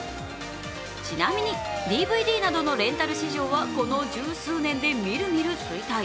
ちなみにＤＶＤなどのレンタル史上はこの数年でみるみるすいたい。